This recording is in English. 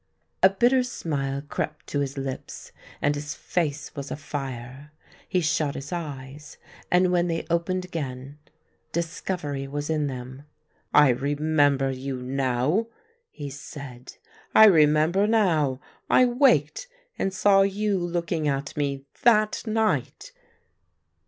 A bitter smile crept to his lips, and his face was afire. He shut his eyes, and when they opened again dis covery was in them. " I remember you now," he said. " I remember now I waked and saw you looking at me tfiat night!